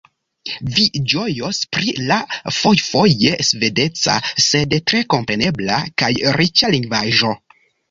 Vi ĝojos pri la fojfoje svedeca, sed tre komprenebla kaj riĉa lingvaĵo.